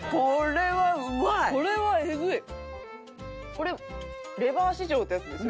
これレバー史上ってやつですね。